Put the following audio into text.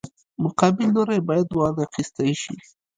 مقابل لوری باید وانخیستی شي.